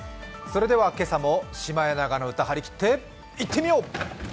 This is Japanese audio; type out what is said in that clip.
それでは今朝も「シマエナガの歌」張り切っていってみよう！